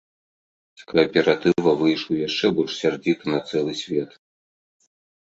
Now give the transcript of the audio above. З кааператыва выйшаў яшчэ больш сярдзіты на цэлы свет.